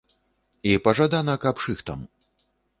І пажадана, каб шыхтам.